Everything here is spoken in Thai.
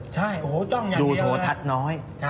ใช่โอ้โหจ้องอย่างนี้มากเลยดูโทรธัศน์น้อย